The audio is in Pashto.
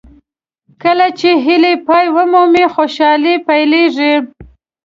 کله چې هیلې پای ومومي خوشالۍ پیلېږي.